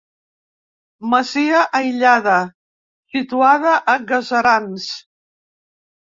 Masia aïllada situada a Gaserans.